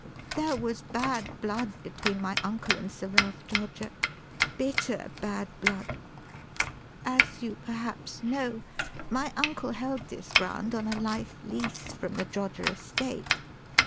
"There was bad blood between my uncle and Sir Ralph Droger bitter, bad blood. As you perhaps know, my uncle held this ground on a life lease from the Droger estate.